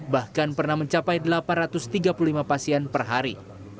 bahkan pernah mencapai delapan ratus tiga puluh lima pasien per hari